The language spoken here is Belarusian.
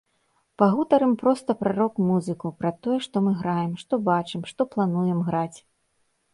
Пагутарым проста пра рок-музыку, пра тое, што мы граем, што бачым, што плануем граць.